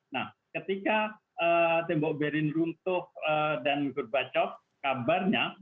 nah ketika tembok berin runtuh dan berbacok kabarnya